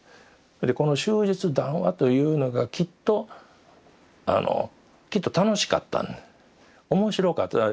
でこの「終日談話」というのがきっときっと楽しかった面白かった。